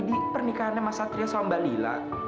di pernikahannya mas satria sama mbak lila